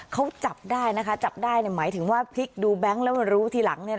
เขาจับได้นะคะจับได้หมายถึงว่าพลิกดูแบงค์แล้วมารู้ทีหลัง